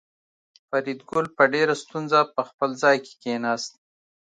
فریدګل په ډېره ستونزه په خپل ځای کې کېناست